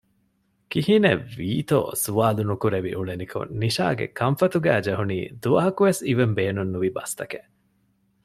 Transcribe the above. ކިހިނެތްވީތޯ ސުވާލު ނުކުރެވި އުޅެނިކޮށް ނިޝާގެ ކަންފަތުގައި ޖެހުނީ ދުވަހަކުވެސް އިވެން ބޭނުން ނުވި ބަސްތަކެއް